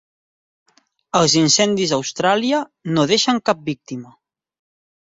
Els incendis a Austràlia no deixen cap víctima